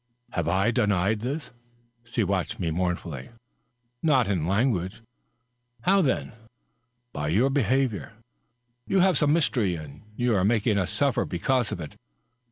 "Have I denied this?" She watched me mournfully. " Not in language." "How, then?" " By your behavior. You have some mystery, and you are making us suffer because of it."